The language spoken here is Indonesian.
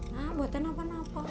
ya buatan apa apa